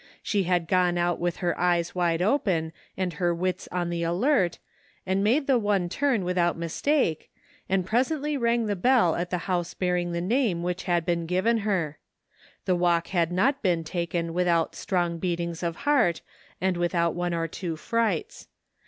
She had gone out with her eyes wide open and her wits on the alert, and made the one turn without mistake, and 132 A THY IN a POSITION. presently rang the bell at the house bearing the name which had been given her. The walk had not been taken without strong beatings of heart, and without one or two frights.